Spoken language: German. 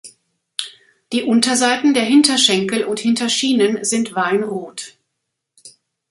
Die Unterseiten der Hinterschenkel und Hinterschienen sind weinrot.